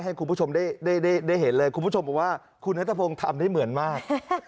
ให้คุณผู้ชมได้เห็นเลยคุณผู้ชมบอกว่าคุณนัทพงศ์ทำได้เหมือนมาก